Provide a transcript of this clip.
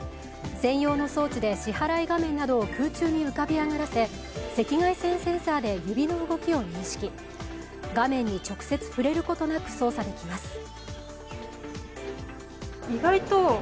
専用の装置で支払いの画面などを空中に浮かび上がらせ赤外線センサーで指の動きを認識、画面に直接触れることなく操作できます。